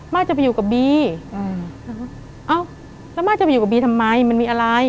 จะไปอยู่กับบีอืมเอ้าแล้วม่าจะไปอยู่กับบีทำไมมันมีอะไร